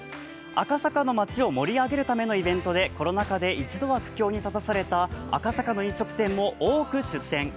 赤坂の街を盛り上げるためのイベントでコロナ禍で一度は苦境に立たされた赤坂の飲食店も多く出店。